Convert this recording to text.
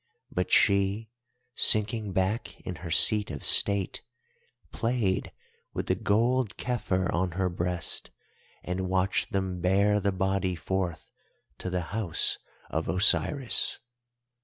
But she, sinking back in her seat of state, played with the gold kepher on her breast, and watched them bear the body forth to the House of Osiris.